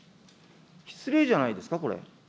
失礼じゃないですか、これ。